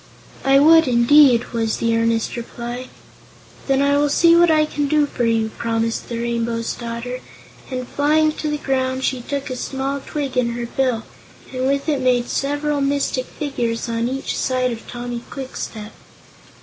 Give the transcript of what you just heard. "I would, indeed," was the earnest reply. "Then I will see what I can do for you," promised the Rainbow's Daughter, and flying to the ground she took a small twig in her bill and with it made several mystic figures on each side of Tommy Kwikstep.